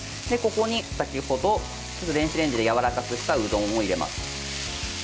ここに、先ほど電子レンジでやわらかくしたうどんを入れます。